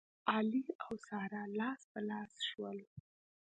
علي او ساره لاس په لاس شول.